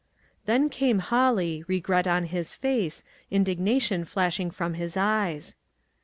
Then came Holly, regret on his face, in dignation flashing from his eyes.